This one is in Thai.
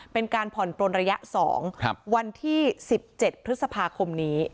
เป็นการผ่อนปลนระยะ๒วันที่๑๗พฤษภาคมนี้